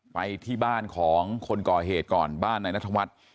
ไปที่บ้านของคนก่อเหตุก่อนบ้านนายนัทวัฒน์